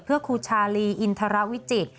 เพื่อครูชาลีอินทรวิจิตร